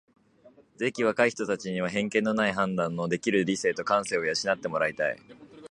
ぜひ若い人たちには偏見のない判断のできる理性と感性を養って貰いたい。